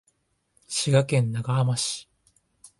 滋賀県長浜市